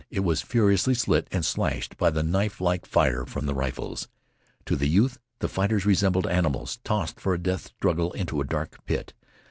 It was furiously slit and slashed by the knifelike fire from the rifles. To the youth the fighters resembled animals tossed for a death struggle into a dark pit.